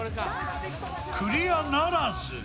クリアならず。